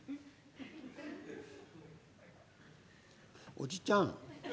「おじちゃん！